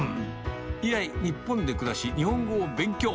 以来、日本で暮らし、日本語を勉強。